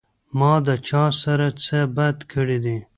ما د چا سره څۀ بد کړي دي